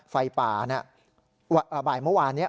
ไฟป่าบ่ายเมื่อวานนี้